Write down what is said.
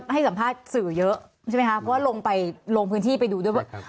ใช่ไหมครับเพราะว่าลงพื้นที่ไปดูด้วย